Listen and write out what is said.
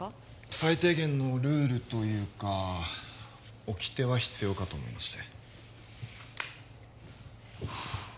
最低限のルールというか掟は必要かと思いまして